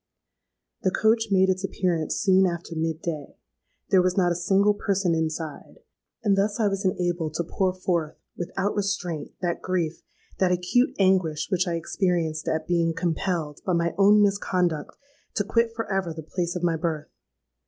"The coach made its appearance soon after mid day: there was not a single person inside; and thus I was enabled to pour forth, without restraint, that grief—that acute anguish which I experienced at being compelled, by my own misconduct, to quit for ever the place of my birth.